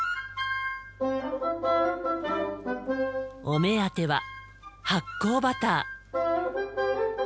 お目当ては発酵バター。